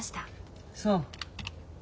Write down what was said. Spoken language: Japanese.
そう。